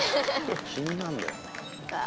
気になんだよなあ